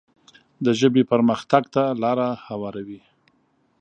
د ژبې پرمختګ ته لاره هواروي.